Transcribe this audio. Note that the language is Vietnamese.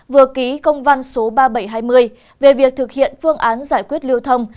vừa ký công văn số ba nghìn bảy trăm hai mươi về việc thực hiện phương án giải quyết lưu thông